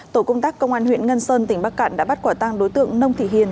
tổ công tác công an huyện ngân sơn tỉnh bắc cạn đã bắt quả tang đối tượng nông thị hiền